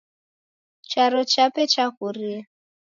Charo chape chakurie.